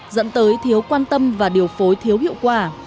dẫn tới thiếu quan tâm và điều phối thiếu hiệu quả